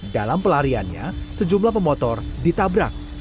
dalam pelariannya sejumlah pemotor ditabrak